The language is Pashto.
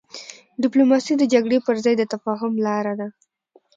ډيپلوماسي د جګړې پر ځای د تفاهم لاره ده.